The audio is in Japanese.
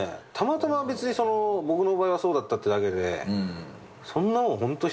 たまたま別に僕の場合はそうだったってだけでそんなもん